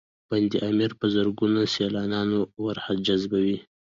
بند امیر په زرګونه سیلانیان ورجذبوي